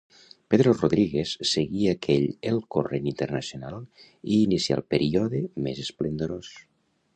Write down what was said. Pedro Rodríguez seguí aquell el corrent internacional i inicià el període més esplendorós.